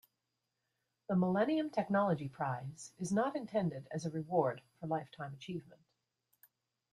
The Millennium Technology Prize is not intended as a reward for lifetime achievement.